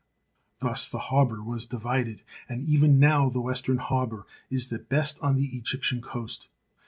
Thus the harbour was divided, and even now the western harbour is the best on the Egyptian coast.